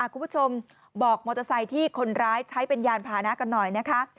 คุณผู้ชมบอกมอเตอร์ไซค์ที่คนร้ายใช้เป็นยานพานะกันหน่อยนะคะ